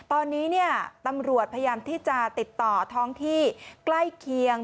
ตอนนี้ตำรวจพยายามที่จะติดต่อท้องที่ใกล้เคียง